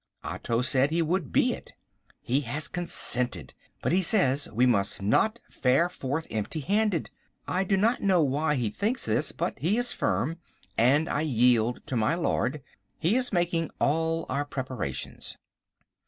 Otto said he would be it. He has consented. But he says we must not fare forth empty handed. I do not know why he thinks this, but he is firm, and I yield to my lord. He is making all our preparations.